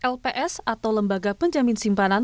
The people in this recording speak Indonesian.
lps atau lembaga penjamin simpanan